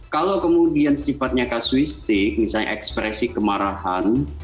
kalau kemudian sifatnya kasuistik misalnya ekspresi kemarahan